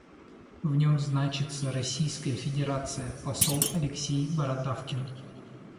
В нем значится Российская Федерация, посол Алексей Бородавкин.